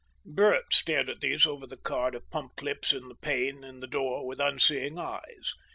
Bert stared at these over the card of pump clips in the pane in the door with unseeing eyes.